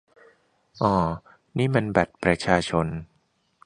อ่อ นี่มันบัตรประชาชน